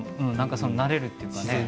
慣れるというかね